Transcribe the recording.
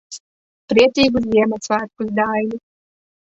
Priecīgus Ziemassvētkus, Daini.